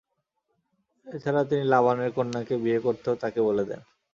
এ ছাড়া তিনি লাবানের কন্যাকে বিয়ে করতেও তাকে বলে দেন।